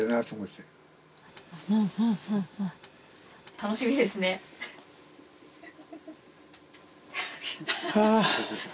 楽しみですね。は。